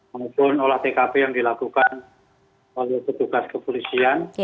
maupun olah tkp yang dilakukan oleh petugas kepolisian